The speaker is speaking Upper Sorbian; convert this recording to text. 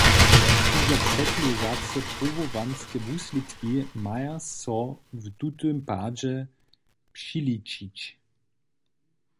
Hižo předležace pruwowanske wuslědki maja so w tutym padźe přiličić.